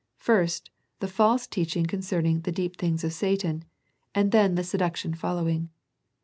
First, the false teaching con cerning the " deep things of Satan," and then the seduction following.